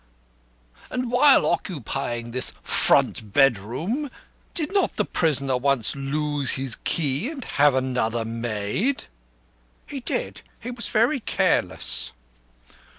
"And, while occupying this front bedroom, did not the prisoner once lose his key and have another made?" "He did; he was very careless."